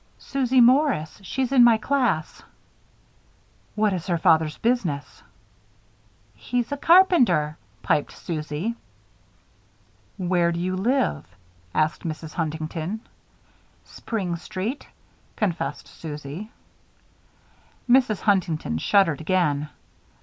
"Susie Morris. She's in my class." "What is her father's business?" "He's a carpenter," piped Susie. "Where do you live!" asked Mrs. Huntington. "Spring Street," confessed Susie. Mrs. Huntington shuddered again.